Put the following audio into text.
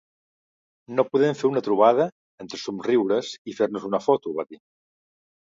No podem fer una trobada, entre somriures i fer-nos una foto, va dir.